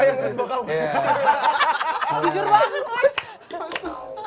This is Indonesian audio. jujur banget nes